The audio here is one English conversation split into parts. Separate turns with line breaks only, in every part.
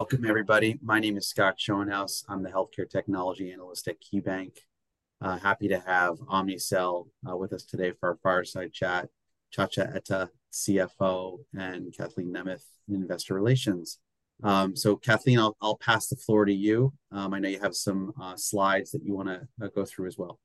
Welcome, everybody. My name is Scott Schoenhaus. I'm the Healthcare Technology Analyst at KeyBanc. Happy to have Omnicell with us today for our fireside chat, Nchacha Etta, CFO, and Kathleen Nemeth, Investor Relations. Kathleen, I'll pass the floor to you. I know you have some slides that you want to go through as well.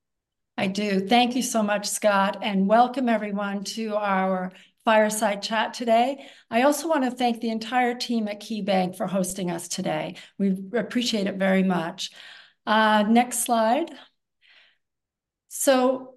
I do. Thank you so much, Scott, and welcome, everyone, to our fireside chat today. I also want to thank the entire team at KeyBanc for hosting us today. We appreciate it very much. Next slide. So,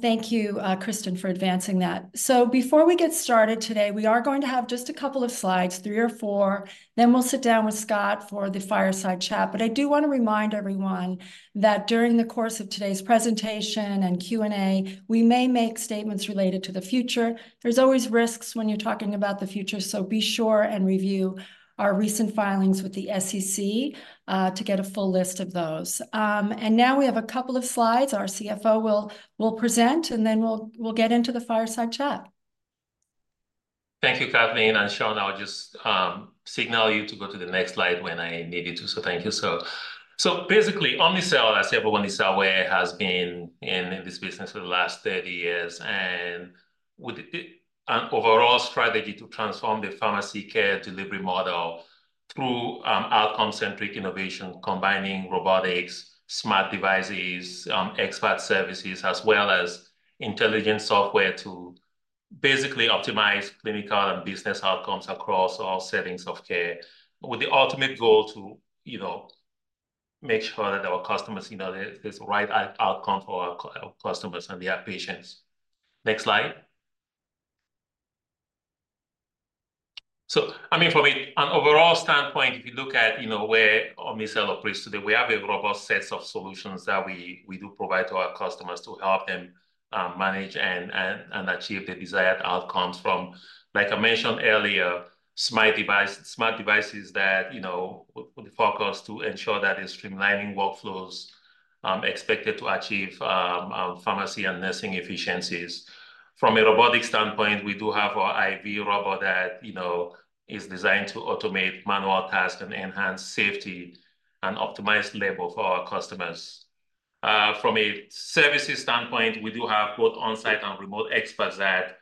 thank you, Kristen, for advancing that. So, before we get started today, we are going to have just a couple of slides, three or four, then we'll sit down with Scott for the fireside chat. But I do want to remind everyone that during the course of today's presentation and Q&A, we may make statements related to the future. There's always risks when you're talking about the future, so be sure and review our recent filings with the SEC to get a full list of those. And now we have a couple of slides our CFO will present, and then we'll get into the fireside chat.
Thank you, Kathleen. And Sean, I'll just signal you to go to the next slide when I need you to. So, thank you. So, basically, Omnicell, as everyone is aware, has been in this business for the last 30 years, and with an overall strategy to transform the pharmacy care delivery model through outcome-centric innovation, combining robotics, smart devices, expert services, as well as intelligent software to basically optimize clinical and business outcomes across all settings of care, with the ultimate goal to make sure that our customers, there's the right outcome for our customers and their patients. Next slide. So, I mean, from an overall standpoint, if you look at where Omnicell operates today, we have a robust set of solutions that we do provide to our customers to help them manage and achieve the desired outcomes from, like I mentioned earlier, smart devices that focus to ensure that the streamlining workflows are expected to achieve pharmacy and nursing efficiencies. From a robotics standpoint, we do have our IV robot that is designed to automate manual tasks and enhance safety and optimize labor for our customers. From a services standpoint, we do have both on-site and remote experts that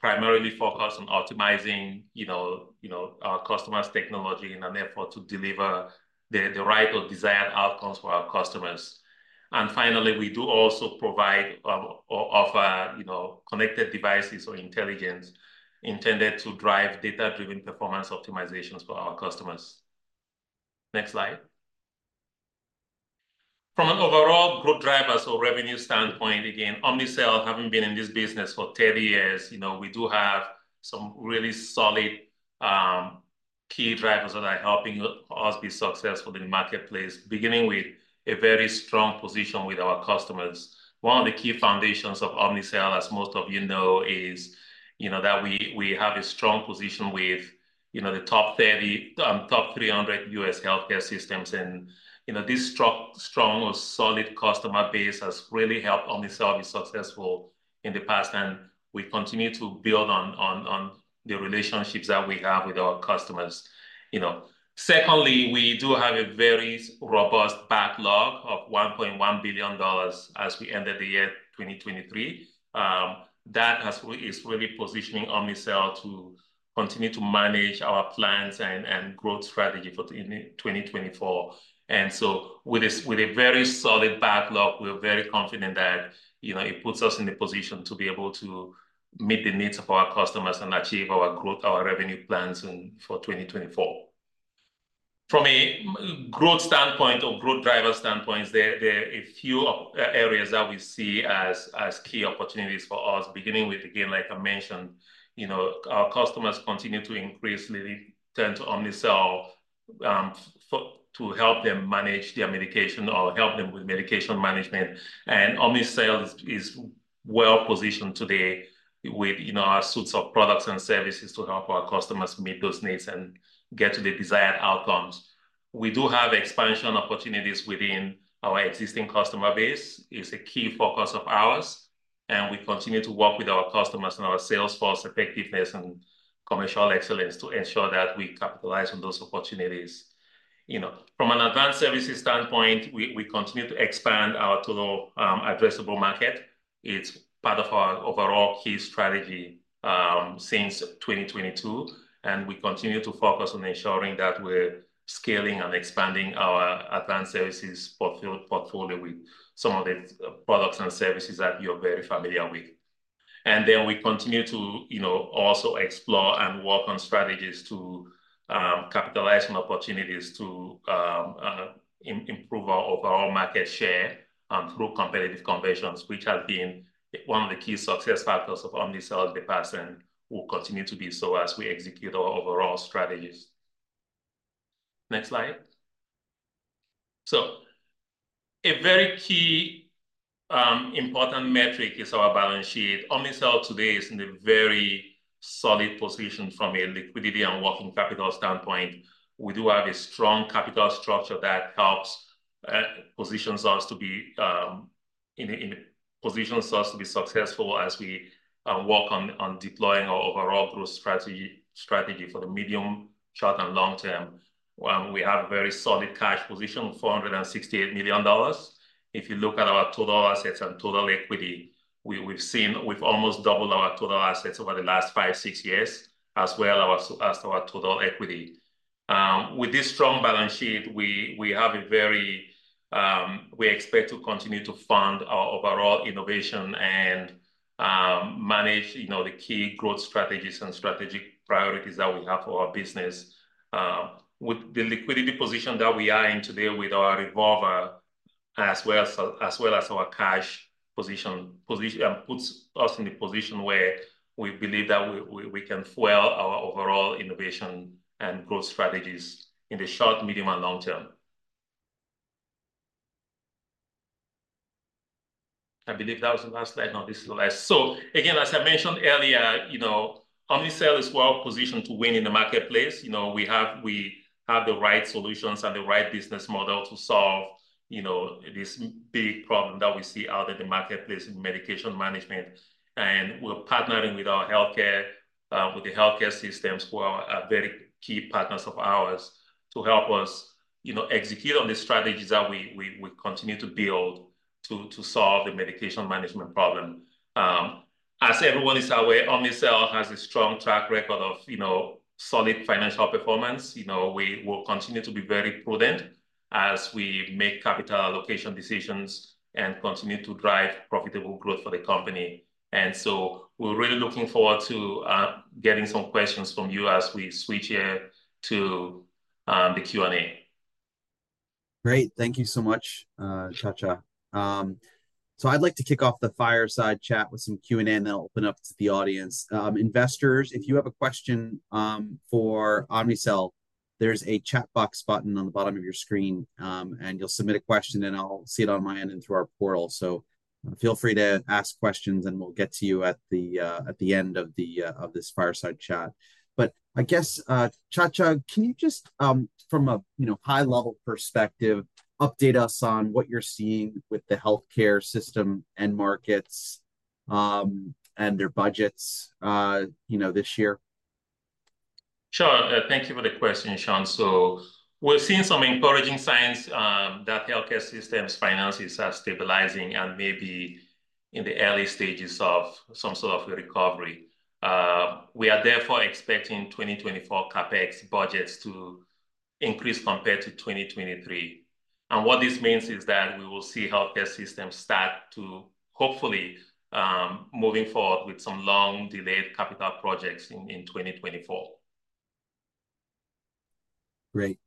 primarily focus on optimizing our customers' technology in an effort to deliver the right or desired outcomes for our customers. And finally, we do also provide or offer connected devices or intelligence intended to drive data-driven performance optimizations for our customers. Next slide. From an overall growth drivers or revenue standpoint, again, Omnicell, having been in this business for 30 years, we do have some really solid key drivers that are helping us be successful in the marketplace, beginning with a very strong position with our customers. One of the key foundations of Omnicell, as most of you know, is that we have a strong position with the top 300 U.S. healthcare systems. This strong or solid customer base has really helped Omnicell be successful in the past, and we continue to build on the relationships that we have with our customers. Secondly, we do have a very robust backlog of $1.1 billion as we ended the year 2023. That is really positioning Omnicell to continue to manage our plans and growth strategy for 2024. With a very solid backlog, we're very confident that it puts us in the position to be able to meet the needs of our customers and achieve our growth, our revenue plans for 2024. From a growth standpoint or growth driver standpoints, there are a few areas that we see as key opportunities for us, beginning with, again, like I mentioned, our customers continue to increasingly turn to Omnicell to help them manage their medication or help them with medication management. Omnicell is well positioned today with our suites of products and services to help our customers meet those needs and get to the desired outcomes. We do have expansion opportunities within our existing customer base. It's a key focus of ours. We continue to work with our customers and our sales force effectiveness and commercial excellence to ensure that we capitalize on those opportunities. From an advanced services standpoint, we continue to expand our total addressable market. It's part of our overall key strategy since 2022. We continue to focus on ensuring that we're scaling and expanding our advanced services portfolio with some of the products and services that you're very familiar with. We continue to also explore and work on strategies to capitalize on opportunities to improve our overall market share through competitive conversions, which have been one of the key success factors of Omnicell in the past and will continue to be so as we execute our overall strategies. Next slide. A very key important metric is our balance sheet. Omnicell today is in a very solid position from a liquidity and working capital standpoint. We do have a strong capital structure that helps position us to be successful as we work on deploying our overall growth strategy for the medium, short, and long term. We have a very solid cash position, $468 million. If you look at our total assets and total equity, we've almost doubled our total assets over the last 5, 6 years, as well as our total equity. With this strong balance sheet, we expect to continue to fund our overall innovation and manage the key growth strategies and strategic priorities that we have for our business. With the liquidity position that we are in today with our revolver, as well as our cash position, puts us in the position where we believe that we can fuel our overall innovation and growth strategies in the short, medium, and long term. I believe that was the last slide. No, this is the last. So again, as I mentioned earlier, Omnicell is well positioned to win in the marketplace. We have the right solutions and the right business model to solve this big problem that we see out in the marketplace in medication management. And we're partnering with our healthcare, with the healthcare systems, who are very key partners of ours to help us execute on the strategies that we continue to build to solve the medication management problem. As everyone is aware, Omnicell has a strong track record of solid financial performance. We will continue to be very prudent as we make capital allocation decisions and continue to drive profitable growth for the company. And so, we're really looking forward to getting some questions from you as we switch here to the Q&A.
Great. Thank you so much, Nchacha. So, I'd like to kick off the fireside chat with some Q&A, and then I'll open up to the audience. Investors, if you have a question for Omnicell, there's a chat box button on the bottom of your screen, and you'll submit a question, and I'll see it on my end and through our portal. So, feel free to ask questions, and we'll get to you at the end of this fireside chat. But I guess, Nchacha, can you just, from a high-level perspective, update us on what you're seeing with the healthcare system and markets and their budgets this year?
Sure. Thank you for the question, Scott. So, we're seeing some encouraging signs that healthcare systems finances are stabilizing and maybe in the early stages of some sort of a recovery. We are therefore expecting 2024 CapEx budgets to increase compared to 2023. What this means is that we will see healthcare systems start to, hopefully, move forward with some long-delayed capital projects in 2024.
Great.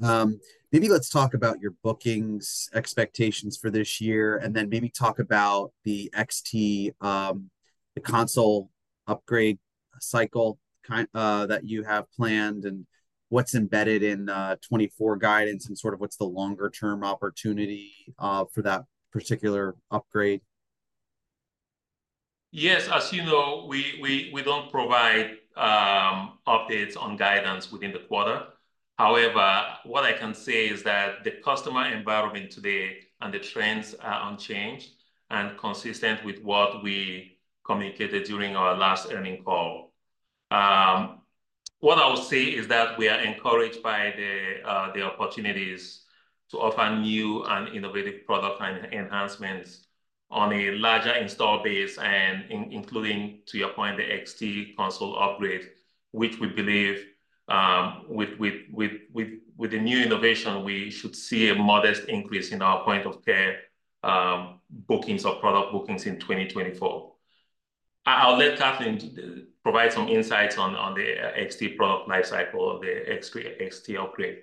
Maybe let's talk about your bookings expectations for this year, and then maybe talk about the console upgrade cycle that you have planned and what's embedded in 2024 guidance and sort of what's the longer-term opportunity for that particular upgrade.
Yes. As you know, we don't provide updates on guidance within the quarter. However, what I can say is that the customer environment today and the trends are unchanged and consistent with what we communicated during our last earnings call. What I would say is that we are encouraged by the opportunities to offer new and innovative product enhancements on a larger installed base, including to your point, the XT console upgrade, which we believe with the new innovation, we should see a modest increase in our point-of-care bookings or product bookings in 2024. I'll let Kathleen provide some insights on the XT product lifecycle, the XT upgrade.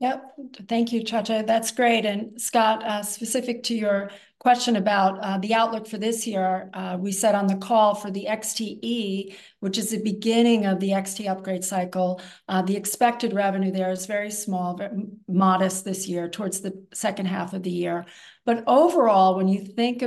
Yep. Thank you, Nchacha. That's great. And Scott, specific to your question about the outlook for this year, we said on the call for the XTE, which is the beginning of the XT upgrade cycle, the expected revenue there is very small, modest this year towards the second half of the year. But overall, when you think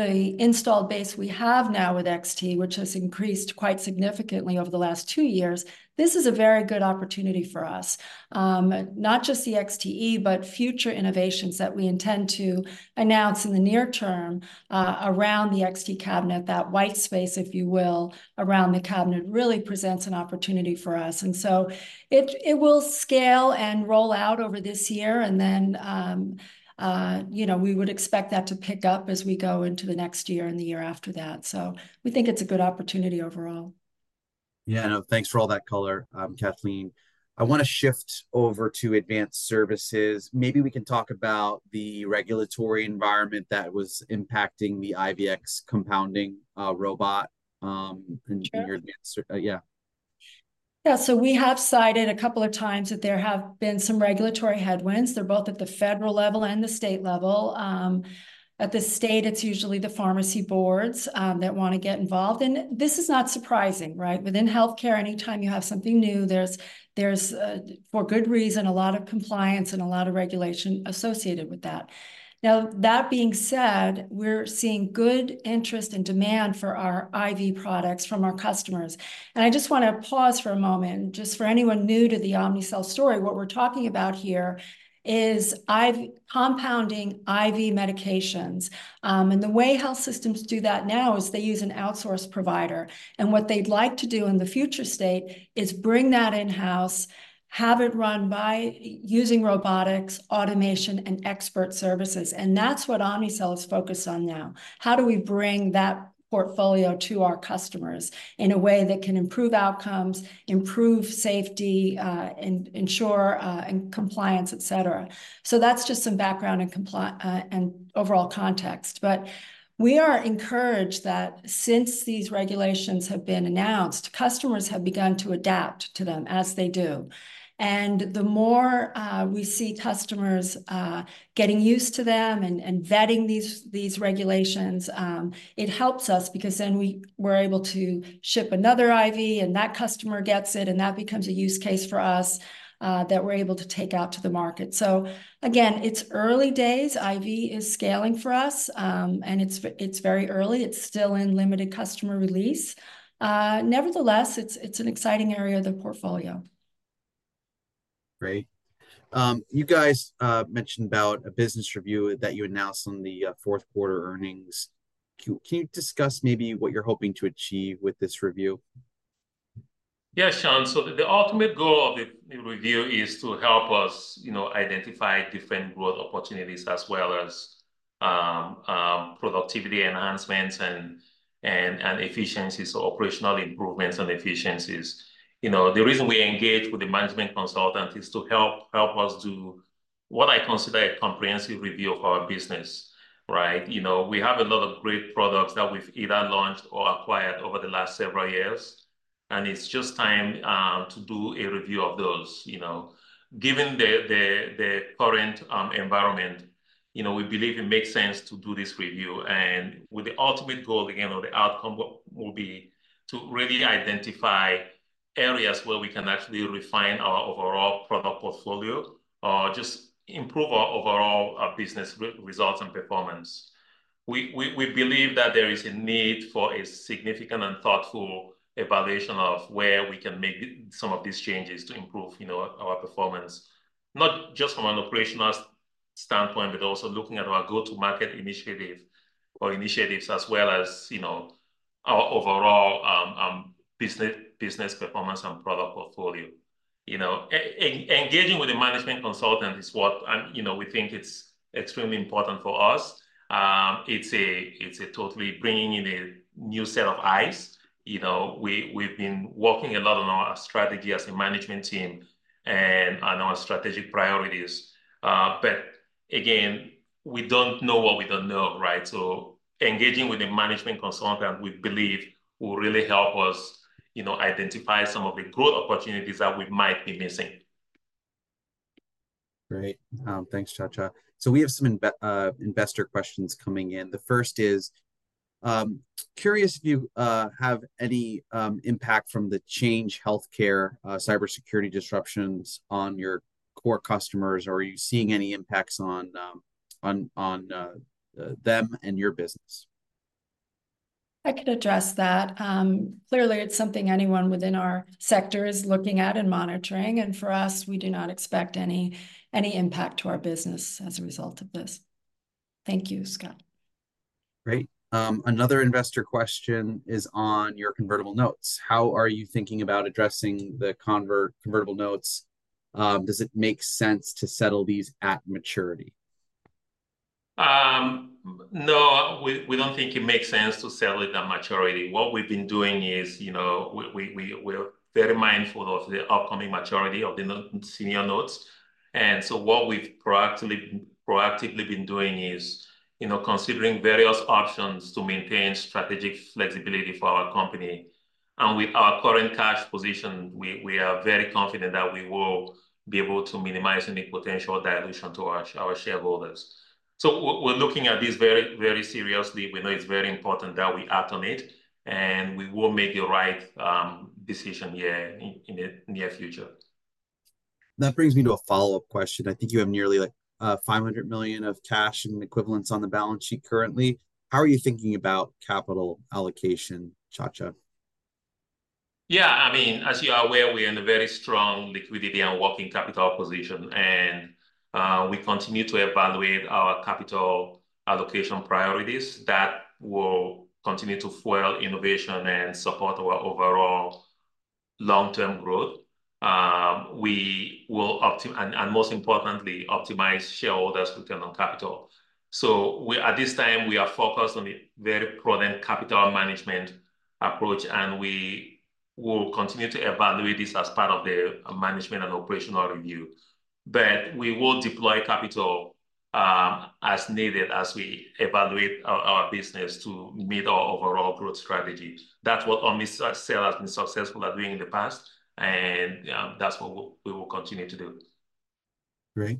about the installed base we have now with XT, which has increased quite significantly over the last 2 years, this is a very good opportunity for us, not just the XTE, but future innovations that we intend to announce in the near term around the XT cabinet. That white space, if you will, around the cabinet really presents an opportunity for us. And so, it will scale and roll out over this year, and then we would expect that to pick up as we go into the next year and the year after that. So, we think it's a good opportunity overall.
Yeah. No, thanks for all that color, Kathleen. I want to shift over to advanced services. Maybe we can talk about the regulatory environment that was impacting the IVX compounding robot and your advanced services. Yeah.
Yeah. So, we have cited a couple of times that there have been some regulatory headwinds. They're both at the federal level and the state level. At the state, it's usually the pharmacy boards that want to get involved. This is not surprising, right? Within healthcare, anytime you have something new, there's, for good reason, a lot of compliance and a lot of regulation associated with that. Now, that being said, we're seeing good interest and demand for our IV products from our customers. I just want to pause for a moment. Just for anyone new to the Omnicell story, what we're talking about here is compounding IV medications. The way health systems do that now is they use an outsourced provider. What they'd like to do in the future state is bring that in-house, have it run by using robotics, automation, and expert services. That's what Omnicell is focused on now. How do we bring that portfolio to our customers in a way that can improve outcomes, improve safety, ensure compliance, etc.? That's just some background and overall context. We are encouraged that since these regulations have been announced, customers have begun to adapt to them as they do. The more we see customers getting used to them and vetting these regulations, it helps us because then we're able to ship another IV, and that customer gets it, and that becomes a use case for us that we're able to take out to the market. Again, it's early days. IV is scaling for us, and it's very early. It's still in limited customer release. Nevertheless, it's an exciting area of the portfolio.
Great. You guys mentioned about a business review that you announced on the fourth quarter earnings. Can you discuss maybe what you're hoping to achieve with this review?
Yes, Scott. The ultimate goal of the review is to help us identify different growth opportunities as well as productivity enhancements and efficiencies or operational improvements and efficiencies. The reason we engage with the management consultant is to help us do what I consider a comprehensive review of our business, right? We have a lot of great products that we've either launched or acquired over the last several years. It's just time to do a review of those. Given the current environment, we believe it makes sense to do this review. With the ultimate goal, again, or the outcome will be to really identify areas where we can actually refine our overall product portfolio or just improve our overall business results and performance. We believe that there is a need for a significant and thoughtful evaluation of where we can make some of these changes to improve our performance, not just from an operational standpoint, but also looking at our go-to-market initiative or initiatives as well as our overall business performance and product portfolio. Engaging with the management consultant is what we think is extremely important for us. It's totally bringing in a new set of eyes. We've been working a lot on our strategy as a management team and our strategic priorities. But again, we don't know what we don't know, right? So, engaging with the management consultant, we believe, will really help us identify some of the growth opportunities that we might be missing.
Great. Thanks, Nchacha. So, we have some investor questions coming in. The first is curious if you have any impact from the Change Healthcare cybersecurity disruptions on your core customers, or are you seeing any impacts on them and your business?
I could address that. Clearly, it's something anyone within our sector is looking at and monitoring. For us, we do not expect any impact to our business as a result of this. Thank you, Scott.
Great. Another investor question is on your convertible notes. How are you thinking about addressing the convertible notes? Does it make sense to settle these at maturity?
No, we don't think it makes sense to settle it at maturity. What we've been doing is we're very mindful of the upcoming maturity of the senior notes. And so, what we've proactively been doing is considering various options to maintain strategic flexibility for our company. And with our current cash position, we are very confident that we will be able to minimize any potential dilution to our shareholders. So, we're looking at this very, very seriously. We know it's very important that we act on it. And we will make the right decision here in the near future.
That brings me to a follow-up question. I think you have nearly $500 million of cash and equivalents on the balance sheet currently. How are you thinking about capital allocation, Nchacha?
Yeah. I mean, as you are aware, we're in a very strong liquidity and working capital position. We continue to evaluate our capital allocation priorities that will continue to fuel innovation and support our overall long-term growth. We will, and most importantly, optimize shareholders' return on capital. At this time, we are focused on a very prudent capital management approach, and we will continue to evaluate this as part of the management and operational review. We will deploy capital as needed as we evaluate our business to meet our overall growth strategy. That's what Omnicell has been successful at doing in the past, and that's what we will continue to do.
Great.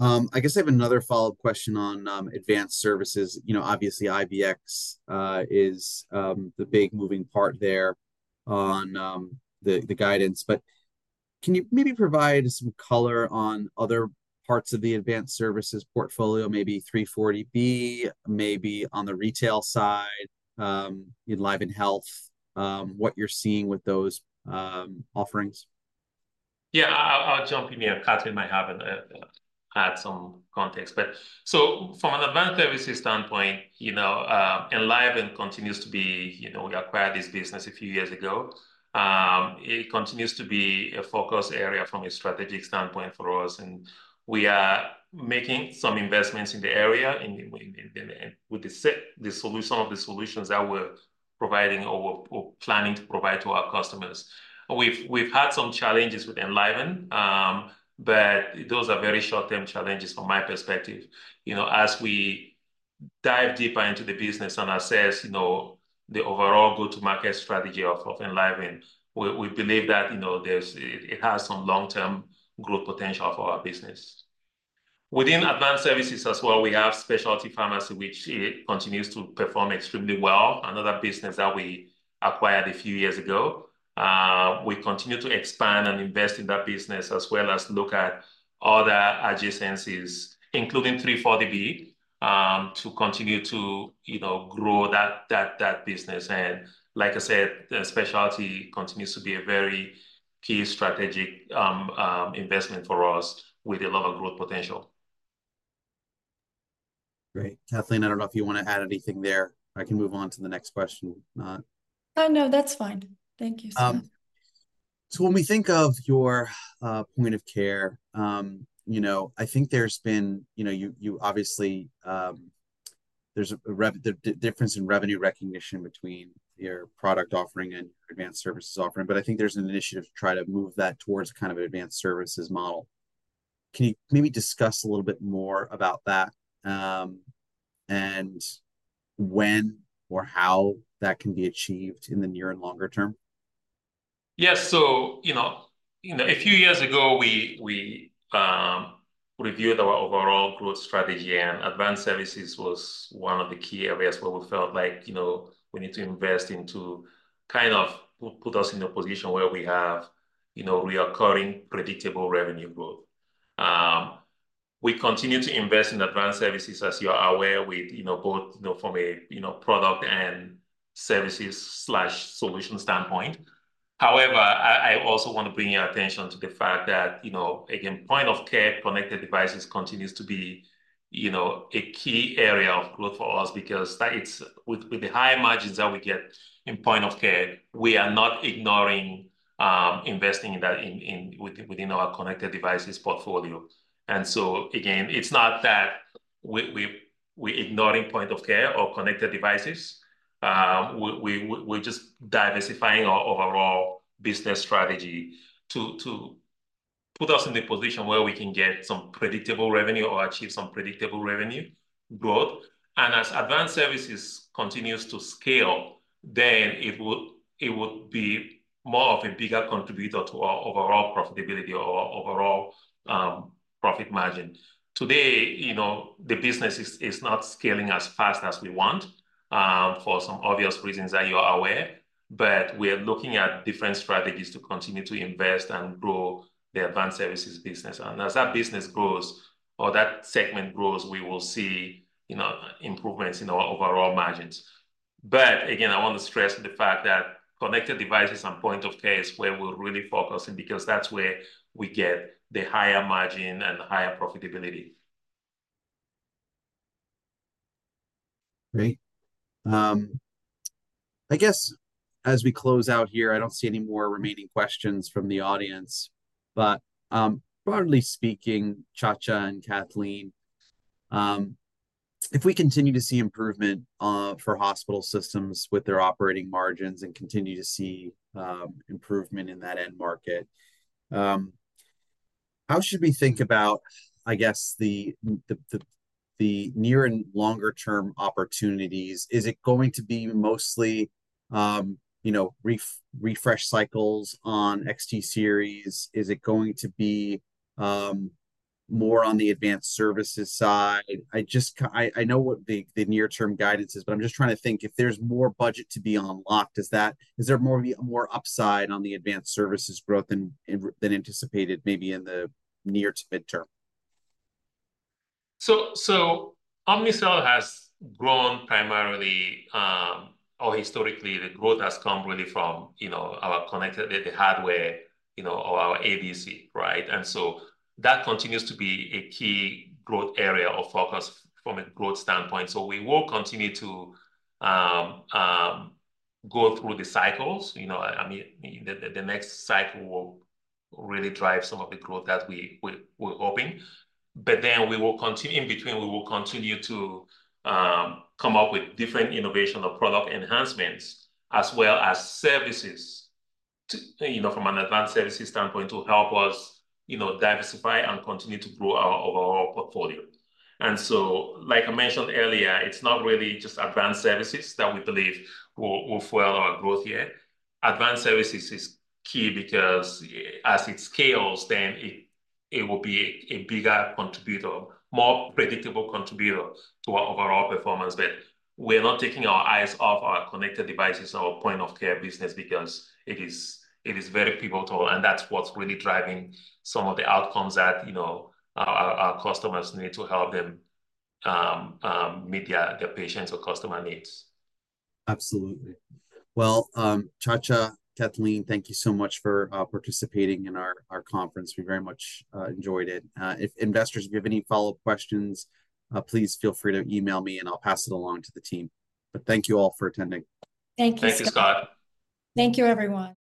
I guess I have another follow-up question on advanced services. Obviously, IVX is the big moving part there on the guidance. But can you maybe provide some color on other parts of the advanced services portfolio, maybe 340B, maybe on the retail side, EnlivenHealth, what you're seeing with those offerings?
Yeah. I'll jump in here. Kathleen might have added some context. But so from an Advanced Services standpoint, Enliven continues to be we acquired this business a few years ago. It continues to be a focus area from a strategic standpoint for us. And we are making some investments in the area with the solution of the solutions that we're providing or planning to provide to our customers. We've had some challenges with Enliven, but those are very short-term challenges from my perspective. As we dive deeper into the business and assess the overall go-to-market strategy of Enliven, we believe that it has some long-term growth potential for our business. Within Advanced Services as well, we have Specialty Pharmacy, which continues to perform extremely well, another business that we acquired a few years ago. We continue to expand and invest in that business as well as look at other adjacencies, including 340B, to continue to grow that business. Like I said, Specialty continues to be a very key strategic investment for us with a lot of growth potential.
Great. Kathleen, I don't know if you want to add anything there. I can move on to the next question.
No, that's fine. Thank you, Sean.
So, when we think of your Point of Care, I think there's obviously a difference in revenue recognition between your product offering and your Advanced Services offering. But I think there's an initiative to try to move that towards kind of an Advanced Services model. Can you maybe discuss a little bit more about that and when or how that can be achieved in the near and longer term?
Yes. So, a few years ago, we reviewed our overall growth strategy, and Advanced Services was one of the key areas where we felt like we need to invest into kind of put us in a position where we have recurring, predictable revenue growth. We continue to invest in Advanced Services, as you are aware, with both from a product and services/solution standpoint. However, I also want to bring your attention to the fact that, again, point-of-care Connected Devices continues to be a key area of growth for us because with the high margins that we get in point-of-care, we are not ignoring investing within our Connected Devices portfolio. And so, again, it's not that we're ignoring point-of-care or Connected Devices. We're just diversifying our overall business strategy to put us in the position where we can get some predictable revenue or achieve some predictable revenue growth. As Advanced Services continues to scale, then it would be more of a bigger contributor to our overall profitability or our overall profit margin. Today, the business is not scaling as fast as we want for some obvious reasons that you are aware. But we are looking at different strategies to continue to invest and grow the Advanced Services business. As that business grows or that segment grows, we will see improvements in our overall margins. But again, I want to stress the fact that Connected Devices and Point of Care is where we're really focusing because that's where we get the higher margin and higher profitability.
Great. I guess as we close out here, I don't see any more remaining questions from the audience. But broadly speaking, Nchacha and Kathleen, if we continue to see improvement for hospital systems with their operating margins and continue to see improvement in that end market, how should we think about, I guess, the near and longer-term opportunities? Is it going to be mostly refresh cycles on XT series? Is it going to be more on the advanced services side? I know what the near-term guidance is, but I'm just trying to think. If there's more budget to be unlocked, is there more upside on the advanced services growth than anticipated maybe in the near to mid-term?
So, Omnicell has grown primarily or historically, the growth has come really from the hardware or our ADC, right? And so, that continues to be a key growth area of focus from a growth standpoint. So, we will continue to go through the cycles. I mean, the next cycle will really drive some of the growth that we're hoping. But then in between, we will continue to come up with different innovational product enhancements as well as services from an Advanced Services standpoint to help us diversify and continue to grow our overall portfolio. And so, like I mentioned earlier, it's not really just Advanced Services that we believe will fuel our growth here. Advanced Services is key because as it scales, then it will be a bigger contributor, more predictable contributor to our overall performance. But we are not taking our eyes off our connected devices or point-of-care business because it is very pivotal, and that's what's really driving some of the outcomes that our customers need to help them meet their patients' or customer needs.
Absolutely. Well, Nchacha, Kathleen, thank you so much for participating in our conference. We very much enjoyed it. Investors, if you have any follow-up questions, please feel free to email me, and I'll pass it along to the team. But thank you all for attending.
Thank you, Scott.
Thank you, Scott.
Thank you, everyone.